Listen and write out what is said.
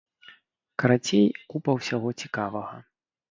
Карацей, купа ўсяго цікавага.